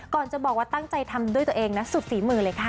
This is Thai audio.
จะบอกว่าตั้งใจทำด้วยตัวเองนะสุดฝีมือเลยค่ะ